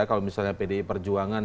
kalau misalnya pdi perjuangan